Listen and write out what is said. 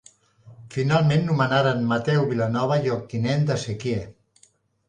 Finalment nomenaren Mateu Vilanova lloctinent de sequier.